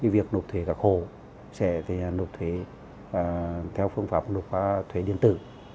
việc nộp thuế cả hộ sẽ nộp thuế theo phương pháp nộp thuế điện tử